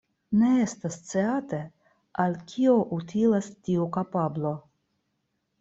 Ne estas sciate, al kio utilas tiu kapablo.